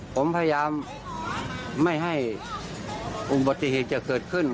ผมพยายามไม่ให้อุบัติเหตุจะเกิดขึ้น